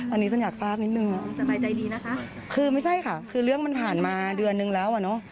อันนี้ฉันอยากทราบนิดหนึ่งคือไม่ใช่ค่ะคือเรื่องมันผ่านมาเดือนหนึ่งแล้ว